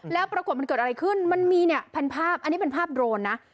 แล้วปรากฏมันเกิดอะไรขึ้นมันมีเนี่ยเป็นภาพอันนี้เป็นภาพโดรนนะ